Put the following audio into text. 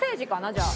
じゃあ。